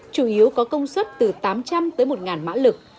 chủ yếu có công suất từ tám trăm linh tới một mã lực